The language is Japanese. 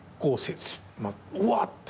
うわ！って。